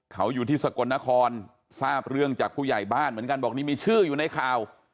เขาอยู่ที่สกลนครทราบเรื่องจากผู้ใหญ่บ้านเหมือนกันบอกนี่มีชื่ออยู่ในข่าว